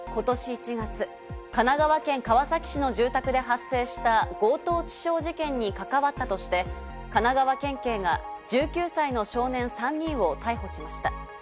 今年１月、神奈川県川崎市の住宅で発生した強盗致傷事件に関わったとして、神奈川県警が１９歳の少年３人を逮捕しました。